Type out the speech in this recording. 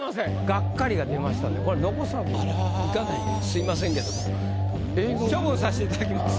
「ガッカリ」が出ましたんでこれ残すわけにいかないんですみませんけども処分させていただきます。